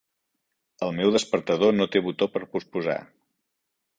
El meu despertador no té botó per postposar.